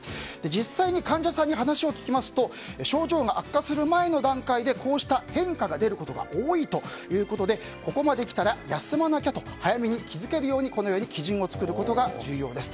実際に患者さんに話を聞きますと症状が悪化する前の段階でこうした変化が出ることが多いということでここまで来たら休まなきゃと早めに気づけるようにこのように基準を作ることが重要です。